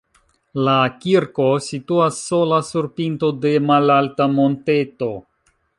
La kirko situas sola sur pinto de malalta monteto.